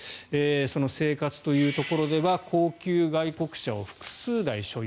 その生活というところでは高級外国車を複数台所有。